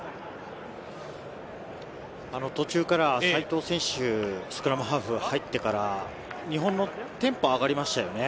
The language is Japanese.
途中から齋藤選手、スクラムハーフに入ってから、日本のテンポが上がりましたよね。